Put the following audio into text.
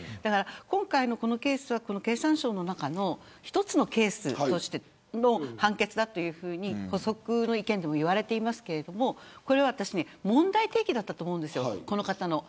今回のケースは経産省の中の一つのケースとしての判決だというふうに補足の意見でも言われていますが問題提起だったと思うんです。